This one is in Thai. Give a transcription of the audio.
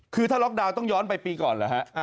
คือถ้าล็อกดาวน์ต้องย้อนไปปีก่อนเหรอฮะ